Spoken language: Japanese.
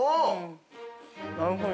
◆なるほど。